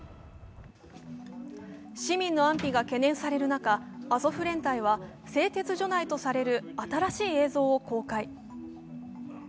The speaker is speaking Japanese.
市民の安否が懸念される中アゾフ連隊は製鉄所内とされる新しい映像を公開。